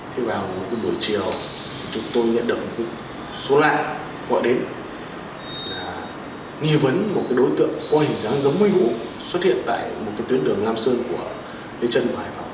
thế vào một buổi chiều chúng tôi nhận được một số lại gọi đến là nghi vấn một đối tượng qua hình dáng giống vũ xuất hiện tại một tuyến đường nam sơn của lê chân